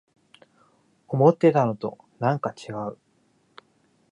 思ってたのとなんかちがう